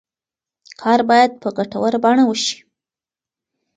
کار باید په ګټوره بڼه وشي.